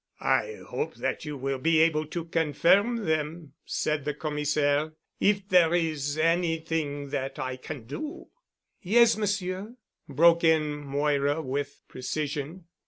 "I hope that you will be able to confirm them," said the Commissaire. "If there is anything that I can do——" "Yes, Monsieur," broke in Moira with precision.